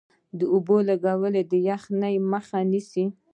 د اوبو لګول د یخنۍ مخه نیسي؟